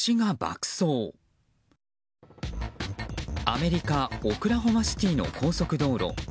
アメリカオクラホマシティーの高速道路。